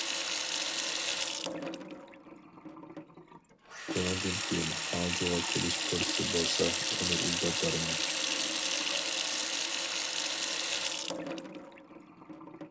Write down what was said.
بۇنىڭدىن كېيىن، خاڭجۇغا كېلىش پۇرسىتى بولسا، ئۇنى ئىزدەپ بارىمەن.